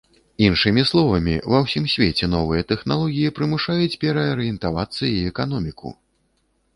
Іншымі словамі, ва ўсім свеце новыя тэхналогіі прымушаюць пераарыентавацца і эканоміку.